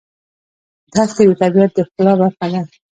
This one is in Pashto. دښتې د طبیعت د ښکلا برخه ده.